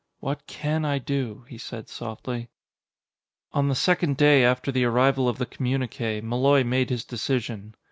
"What can I do?" he said softly. On the second day after the arrival of the communique, Malloy made his decision.